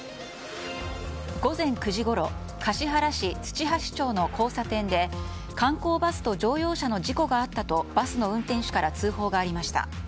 午前９時ごろ橿原市土橋町の交差点で観光バスと乗用車の事故があったとバスの運転手から通報がありました。